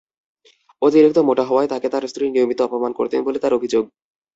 অতিরিক্ত মোটা হওয়ায় তাঁকে তাঁর স্ত্রী নিয়মিত অপমান করতেন বলে তাঁর অভিযোগ।